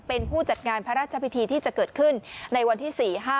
เป็นผู้จัดงานพระราชพิธีที่จะเกิดขึ้นในวันที่๔๕